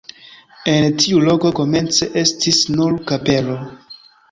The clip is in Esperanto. En tiu loko komence estis nur kapelo.